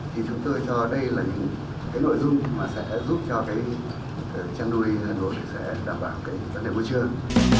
thì chúng tôi cho đây là những cái nội dung mà sẽ giúp cho cái chăn nuôi sẽ đảm bảo cái vấn đề môi trường